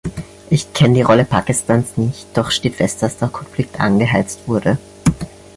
Ich kenne die Rolle Pakistans nicht, doch steht fest, dass der Konflikt angeheizt wurde.